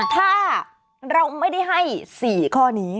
ถ้าเราไม่ได้ให้๔ข้อนี้